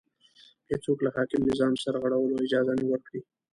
هېڅوک له حاکم نظام سرغړولو اجازه نه ورکړي